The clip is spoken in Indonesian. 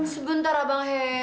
sebentar abang he